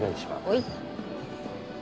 はい。